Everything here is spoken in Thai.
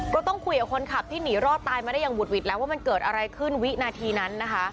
ก็ต้องคุยกับคนขับที่หนีรอดตายมาได้อย่างหุดหิดแล้วว่ามันเกิดอะไรขึ้นวินาทีนั้นนะคะ